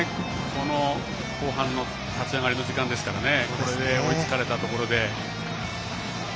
この後半の立ち上がりの時間ですからこれで追いつかれたところで。